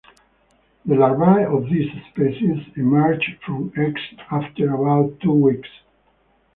The larvae of this species emerge from eggs after about two weeks.